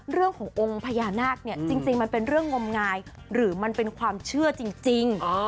เรื่องขององค์พญานาคเนี่ยจริงมันเป็นเรื่องงมงายหรือมันเป็นความเชื่อจริง